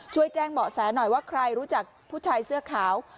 ช่วยแจ้งเบาะแสหน่อยว่าใครรู้จักผู้ชายเสื้อขาว